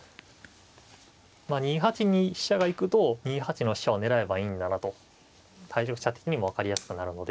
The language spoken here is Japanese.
２八に飛車が行くと２八の飛車を狙えばいいんだなと対局者的にも分かりやすくなるので。